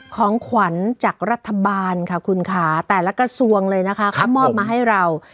ของขวัญจากรัฐบาลค่ะคุณค่ะแต่ละกระทรวงเลยนะคะเขามอบมาให้เรา